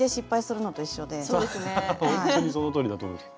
ほんとにそのとおりだと思います。